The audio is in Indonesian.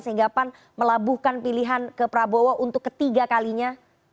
sehingga pan melabuhkan pilihan ke prabowo untuk ketiga kalinya